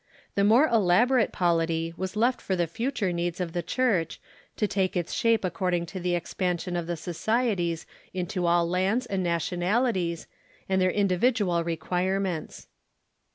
The more elabo rate polity was left for the future needs of the Church, to take its shape according to the expansion of the societies into all lands and nationalities, and their individual requirements.